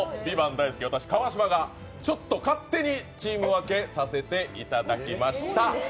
大好き私川島がちょっと勝手にチーム分けさせていただきました。